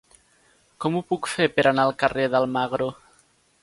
Com ho puc fer per anar al carrer d'Almagro?